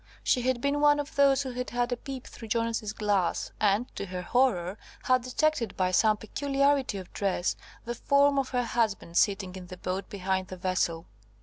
She had been one of those who had had a peep through Jonas's glass, and, to her horror, had detected, by some peculiarity of dress, the form of her husband sitting in the boat behind the vessel.